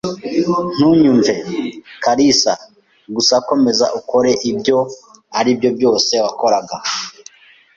Ntunyumve, kalisa. Gusa komeza ukore ibyo aribyo byose wakoraga.